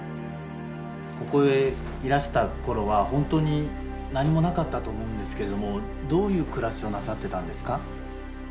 ここへいらした頃は本当に何もなかったと思うんですけれどもどういう暮らしをなさってたんですか？